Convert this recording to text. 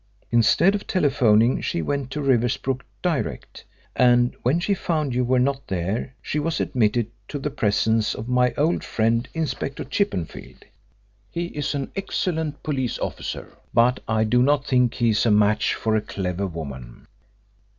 Instead of telephoning, she went to Riversbrook direct, and when she found you were not there she was admitted to the presence of my old friend, Inspector Chippenfield. He is an excellent police officer, but I do not think he is a match for a clever woman.